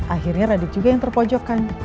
akhirnya radit juga yang terpojok kan